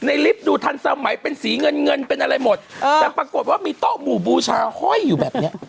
ลิฟต์ดูทันสมัยเป็นสีเงินเงินเป็นอะไรหมดเออแต่ปรากฏว่ามีโต๊ะหมู่บูชาห้อยอยู่แบบเนี้ย